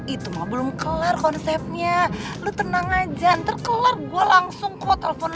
itu mau belum kelar konsepnya lu tenang aja ntar kelar gua langsung kok telepon